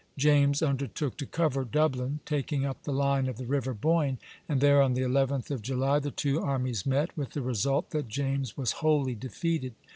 James undertook to cover Dublin, taking up the line of the river Boyne, and there on the 11th of July the two armies met, with the result that James was wholly defeated.